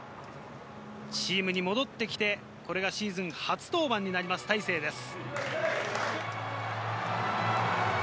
チームに戻ってきてこれがシーズン初登板になります、大勢です。